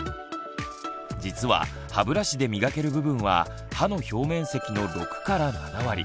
実は歯ブラシで磨ける部分は歯の表面積の６７割。